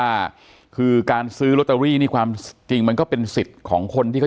อ๋อเจ้าสีสุข่าวของสิ้นพอได้ด้วย